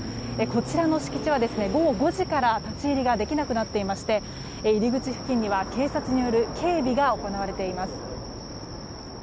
こちらの敷地は午後５時から立ち入りできなくなっていまして入り口付近では警察による警備が行われています。